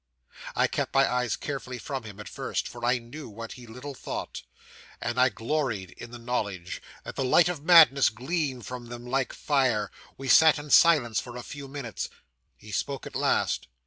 'I kept my eyes carefully from him at first, for I knew what he little thought and I gloried in the knowledge that the light of madness gleamed from them like fire. We sat in silence for a few minutes. He spoke at last.